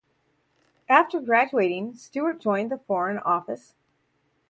After graduating, Stewart joined the Foreign Office.